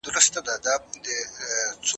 د اوږدمهالې لیدلوري لرل مهم دي.